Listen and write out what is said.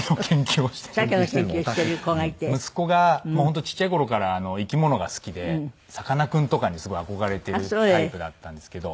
息子が本当ちっちゃい頃から生き物が好きでさかなクンとかにすごい憧れてるタイプだったんですけど。